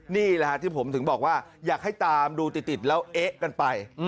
นี่แหละฮะที่ผมถึงบอกว่าอยากให้ตามดูติดแล้วเอ๊ะกันไป